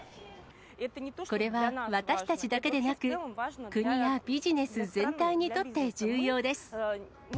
これは私たちだけでなく、国やビジネス全体にとって重要です。